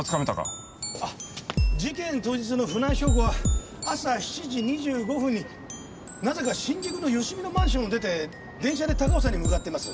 事件当日の船井翔子は朝７時２５分になぜか新宿の芳美のマンションを出て電車で高尾山に向かっています。